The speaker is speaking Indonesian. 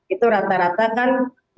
itu rata rata kan